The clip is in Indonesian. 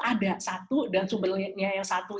ada satu dan sumbernya yang satu